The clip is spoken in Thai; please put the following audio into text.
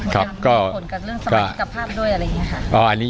มีผลกับเรื่องสมัยกับภาพด้วยอะไรเนี้ยค่ะอ่าอันนี้